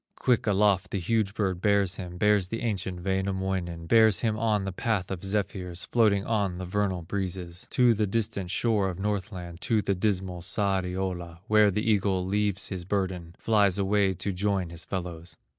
Quick aloft the huge bird bears him, Bears the ancient Wainamoinen, Bears him on the path of zephyrs, Floating on the vernal breezes, To the distant shore of Northland, To the dismal Sariola, Where the eagle leaves his burden, Flies away to join his fellows.